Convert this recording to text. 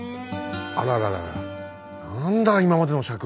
あらららら何だ今までの尺は。